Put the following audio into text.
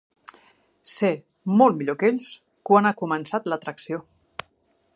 Sé, molt millor que ells, quan ha començat l'atracció.